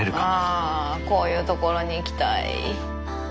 あこういう所に行きたい！